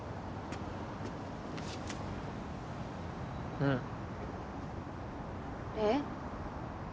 うんえっ？